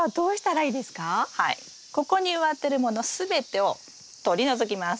はいここに植わってるもの全てをとりのぞきます。